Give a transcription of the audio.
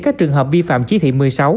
các trường hợp vi phạm chỉ thị một mươi sáu